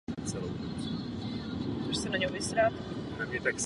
Je bohyní zákonného pořádku mezi lidmi a v přírodě.